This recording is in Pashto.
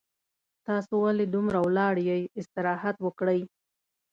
تاسو ولې دومره ولاړ یي استراحت وکړئ